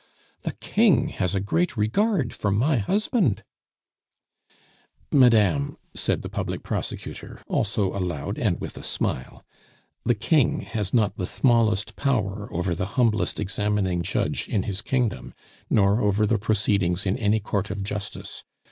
The King has a great regard for my husband " "Madame," said the public prosecutor, also aloud, and with a smile, "the King has not the smallest power over the humblest examining judge in his kingdom, nor over the proceedings in any court of justice.